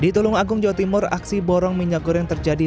di tulung agung jawa timur aksi borong minyak goreng terjadi